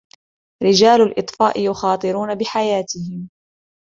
رجال الإطفاء يخاطرون بحياتهم.